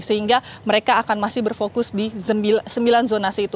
sehingga mereka akan masih berfokus di sembilan zonasi itu